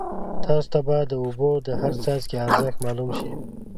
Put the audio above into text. تاسو ته به د اوبو د هر څاڅکي ارزښت معلوم شي.